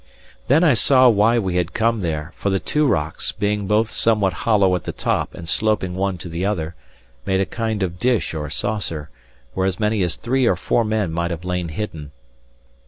Then I saw why we had come there; for the two rocks, being both somewhat hollow on the top and sloping one to the other, made a kind of dish or saucer, where as many as three or four men might have lain hidden.